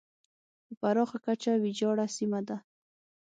په پراخه کچه ویجاړه سیمه ده.